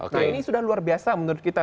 nah ini sudah luar biasa menurut kita